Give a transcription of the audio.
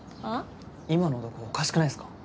今の男おかしくないすか？